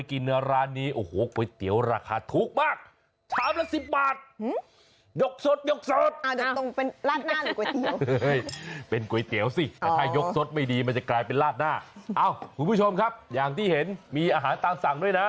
ข่าวต่อไปเดี๋ยวจะพาไปกิน